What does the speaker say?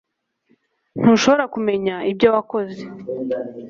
Ntushobora kumenya ibyo wakoze